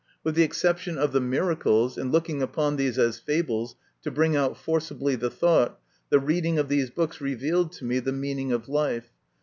With the exception of the miracles, and looking upon these as fables to bring out forcibly the thought, the reading of these books revealed to me the meaning of life.